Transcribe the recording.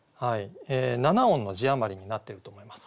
７音の字余りになってると思います。